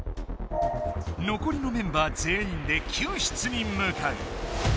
残りのメンバー全員で救出にむかう。